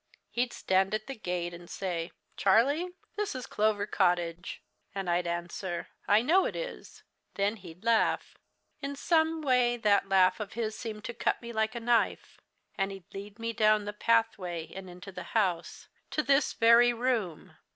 He'd stand at the gate and say 'Charlie, this is Clover Cottage,' and I'd answer, 'I know it is.' Then he'd laugh in some way that laugh of his seemed to cut me like a knife. And he'd lead me down the pathway and into the house, to this very room.